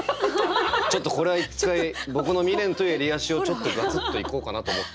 ちょっとこれは一回僕の未練と襟足をガツッといこうかなと思って。